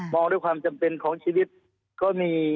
ด้วยความจำเป็นของชีวิตก็มี